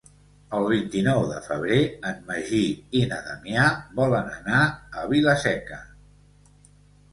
El vint-i-nou de febrer en Magí i na Damià volen anar a Vila-seca.